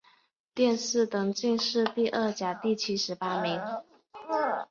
殿试登进士第二甲第七十八名。